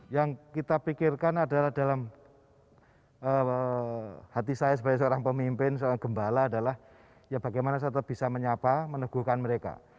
yang kita pikirkan adalah dalam hati saya sebagai seorang pemimpin seorang gembala adalah ya bagaimana saya tetap bisa menyapa meneguhkan mereka